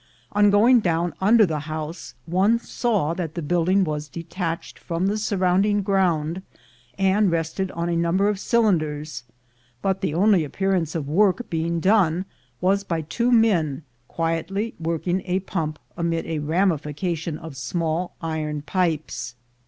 On going down under the house, one saw that the building was de tached from the surrounding ground, and rested on a number of cylinders; but the only appearance of work being done was by two men quietly working a pump amid a ramification of small iron pipes.